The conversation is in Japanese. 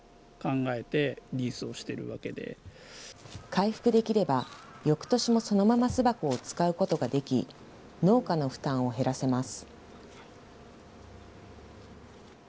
回復できれば、よくとしもそのまま巣箱を使うことができ、農家の負担を減らせます。